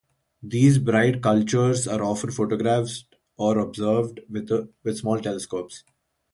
These bright clusters are often photographed or observed with small telescopes.